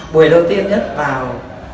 buổi đầu tiên nhất vào